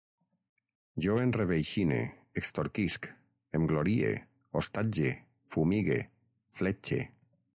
Jo enreveixine, extorquisc, em glorie, hostatge, fumigue, fletxe